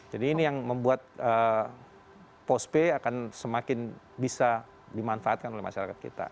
jadi ini yang membuat postpay akan semakin bisa dimanfaatkan oleh masyarakat kita